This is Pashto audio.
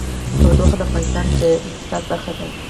تودوخه د افغانستان د اقتصاد برخه ده.